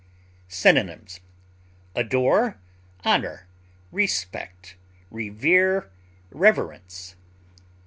Synonyms: adore, honor, respect, revere, reverence.